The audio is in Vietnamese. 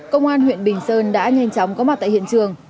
công an huyện bình sơn đã nhanh chóng có mặt tại hiện trường